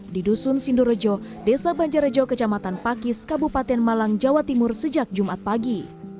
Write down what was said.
di dusun sindorejo desa banjarejo kecamatan pakis kabupaten malang jawa timur sejak jumat pagi